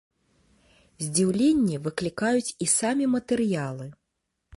Здзіўленне выклікаюць і самі матэрыялы.